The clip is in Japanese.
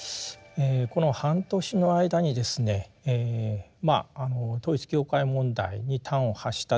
この半年の間にですね統一教会問題に端を発したですね